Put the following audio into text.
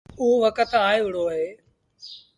اوٚ وکت آئي وهُڙو اهي تا